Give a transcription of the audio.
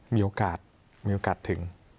มีโอกาสมีโอกาสถึง